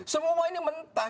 semua ini mentah